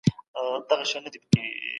د دغې ژبي دپاره هر ډول قرباني ورکول لازمي دي